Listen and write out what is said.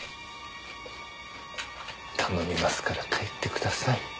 頼みますから帰ってください。